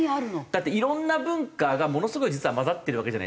だっていろんな文化がものすごい実は混ざってるわけじゃないですか。